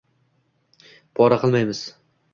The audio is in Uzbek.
Pora qilmaysiz